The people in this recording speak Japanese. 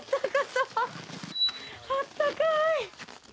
あったかい。